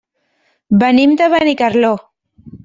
Venim de Benicarló.